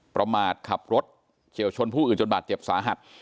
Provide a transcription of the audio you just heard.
ประมาทขับรถเฉียวชนผู้อื่นจนบาดเจ็บสาหัส